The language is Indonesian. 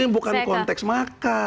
ini bukan konteks makan